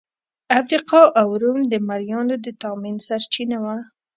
افریقا او روم د مریانو د تامین سرچینه وه.